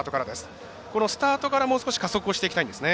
スタートからもう少し加速をしていきたいんですね。